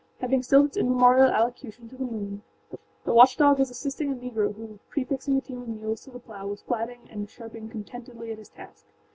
Having stilled its immemorial allocution to the moon, the watchdog was assisting a Negro who, prefixing a team of mules to the plow, was flatting and sharping contentedly at his task.